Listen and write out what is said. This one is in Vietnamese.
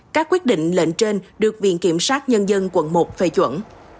các quyết định lệnh trên được viện kiểm sát nhân dân quận một phê chuẩn